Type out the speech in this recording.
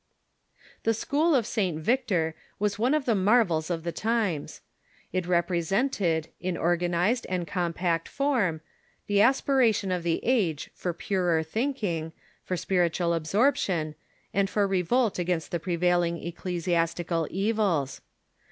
The school of St. Victor was one of the marvels of the times. It represented, in organized and compact form, the aspiration of the age for purer thinking, for spiritual absorption, and for revolt against the prevailing ecclesiastical evils.